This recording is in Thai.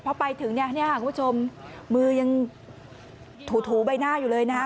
พอไปถึงเนี่ยคุณผู้ชมมือยังถูใบหน้าอยู่เลยนะฮะ